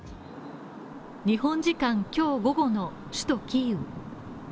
日本時間今日午後の首都キーウ。